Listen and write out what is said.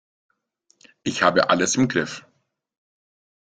Ich habe alles im Griff.